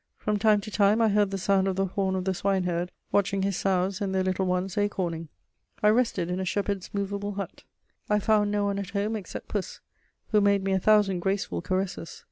From time to time, I heard the sound of the horn of the swine herd watching his sows and their little ones acorning. I rested in a shepherd's movable hut; I found no one at home except Puss, who made me a thousand graceful caresses.